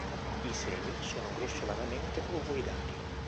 I semi sono grossolanamente ovoidali.